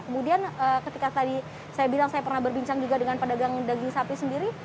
kemudian ketika tadi saya bilang saya pernah berbincang juga dengan pedagang daging sapi sendiri